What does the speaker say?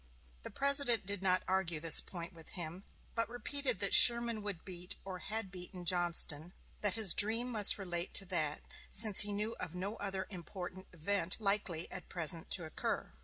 The President did not argue this point with him, but repeated that Sherman would beat or had beaten Johnston; that his dream must relate to that, since he knew of no other important event likely at present to occur.